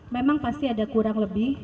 memang pasti ada kurang lebih